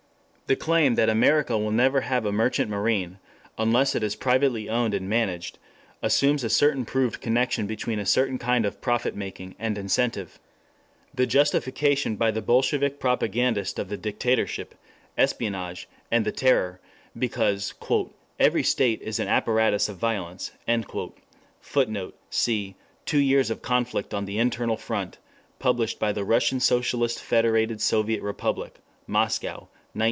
The claim that America will never have a merchant marine, unless it is privately owned and managed, assumes a certain proved connection between a certain kind of profit making and incentive. The justification by the bolshevik propagandist of the dictatorship, espionage, and the terror, because "every state is an apparatus of violence" [Footnote: See Two Years of Conflict on the Internal Front, published by the Russian Socialist Federated Soviet Republic, Moscow, 1920.